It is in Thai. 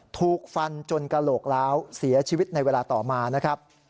ถูกฟันจนกระโหลกล้าวเสียชีวิตในเวลาต่อมานะครับ